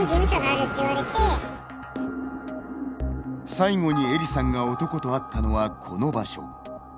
最後にエリさんが男と会ったのはこの場所。